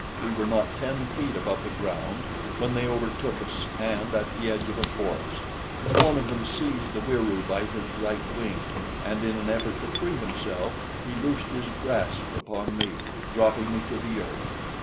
We were not ten feet above the ground when they overtook us, and at the edge of a forest. One of them seized the Wieroo by his right wing, and in an effort to free himself, he loosed his grasp upon me, dropping me to earth.